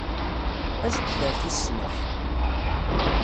Ad as-d-terr tis snat.